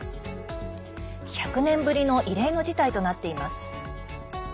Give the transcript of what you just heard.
１００年ぶりの異例の事態となっています。